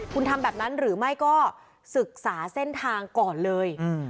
คุณทำแบบนั้นหรือไม่ก็ศึกษาเส้นทางก่อนเลย